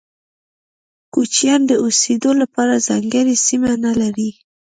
کوچيان د اوسيدو لپاره ځانګړي سیمه نلري.